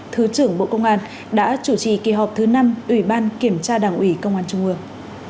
thứ trưởng bộ công an đã chủ trì kỳ họp thứ năm ủy ban kiểm tra đảng ủy công an trung ương